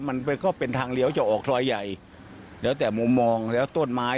มันก็เป็นทางเลี้ยวจะออกซอยใหญ่แล้วแต่มุมมองแล้วต้นไม้